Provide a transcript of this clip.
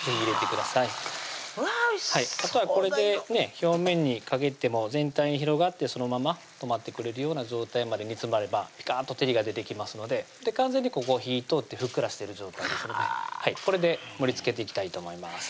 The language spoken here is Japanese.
表面にかけても全体に広がってそのまま止まってくれるような状態まで煮詰まればピカッと照りが出てきますので完全にここ火ぃ通ってふっくらしてる状態ですのでこれで盛りつけていきたいと思います